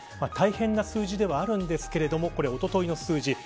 大変な数字ではあるんですけれどもこれはおとといの数字。